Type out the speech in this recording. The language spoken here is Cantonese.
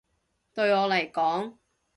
對我嚟講